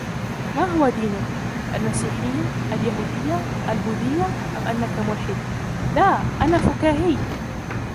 ما هو دينك؟ المسيحية؟ اليهودية؟ البوذية؟ أم أنك ملحد "لا، أنا فكاهي!"